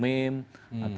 menyampaikan dengan meme